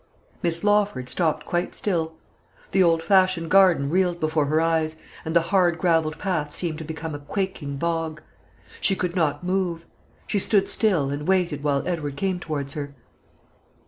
Miss Lawford stopped quite still. The old fashioned garden reeled before her eyes, and the hard gravelled path seemed to become a quaking bog. She could not move; she stood still, and waited while Edward came towards her.